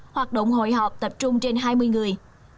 hoạt động hội họp tập trung trên hai mươi người